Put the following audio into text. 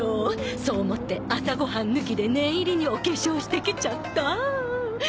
そう思って朝ご飯抜きで念入りにお化粧してきちゃった。